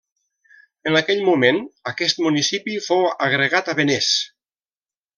En aquell moment aquest municipi fou agregat a Benés.